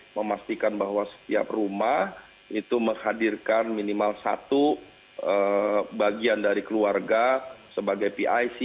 memastikan bahwa setiap rumah itu menghadirkan minimal satu bagian dari keluarga sebagai pic